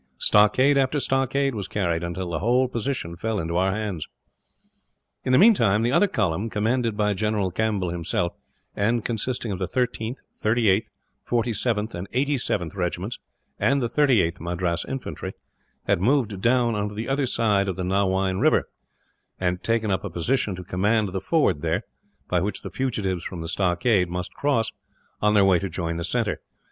Stockade after stockade was carried, until the whole position fell into our hands. In the meantime the other column, commanded by General Campbell himself, and consisting of the 13th, 38th, 47th, and 87th Regiments, and the 38th Madras Infantry, had moved down on the other side of the Nawine river; and taken up a position to command the ford there, by which the fugitives from the stockade must cross, on their way to join the centre.